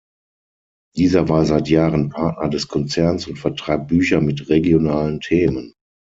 Dieser war seit Jahren Partner des Konzerns und vertreibt Bücher mit regionalen Themen.